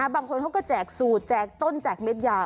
บางคนเขาก็แจกสูตรแจกต้นแจกเม็ดยา